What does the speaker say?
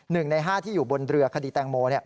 ๑ใน๕ที่อยู่บนเรือคดีแตงโม